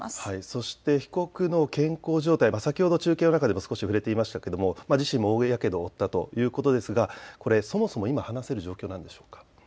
そして被告の健康状態、先ほど中継の中でも少し触れていましたが、自身も大やけどを負ったということですがそもそも今、話せる状況なのでしょうか。